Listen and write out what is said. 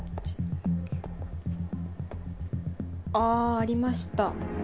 あありました。